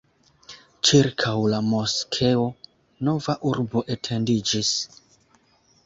Ĉirkaŭ la moskeo nova urbo etendiĝis.